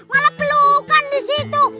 malah pelukan di situ